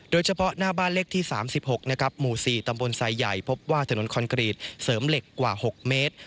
โดยเฉพาะหน้าบ้านเลขที่๓๖หมู่๔ตำบลไซใหญ่พบว่าถนนคอนกรีตเสริมเหล็กกว่า๖เมตร